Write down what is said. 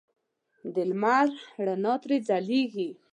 د لمر رڼا ترې ځلېږي.